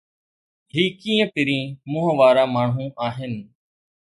هي ڪيئن پرين منهن وارا ماڻهو آهن؟